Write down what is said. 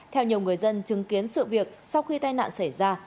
theo nhiều người dân chứng kiến sự việc sau khi tai nạn xảy ra